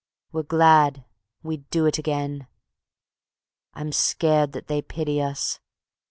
. We're glad. We'd do it again. I'm scared that they pity us.